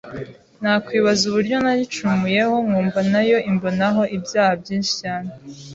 nakwibaza uburyo nayicumuyeho nkumva na yo imbonaho ibyaha byinshi cyane